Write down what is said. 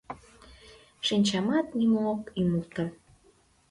Шинчамат нимо ок ӱмылтӧ.